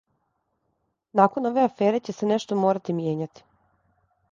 Након ове афере ће се нешто морати мијењати.